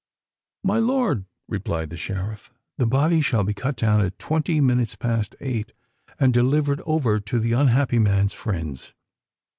"My lord," replied the Sheriff, "the body shall be cut down at twenty minutes past eight, and delivered over to the unhappy man's friends."